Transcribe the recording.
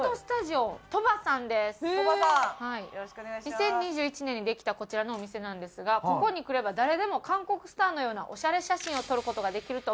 ２０２１年にできたこちらのお店なんですがここに来れば誰でも韓国スターのようなオシャレ写真を撮る事ができると話題になっているそうです。